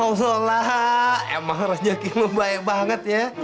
alhamdulillah emang rejeki lu baik banget ya